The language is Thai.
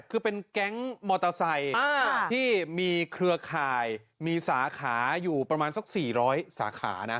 คือเป็นแก๊งมอเตอร์ไซค์ที่มีเครือข่ายมีสาขาอยู่ประมาณสัก๔๐๐สาขานะ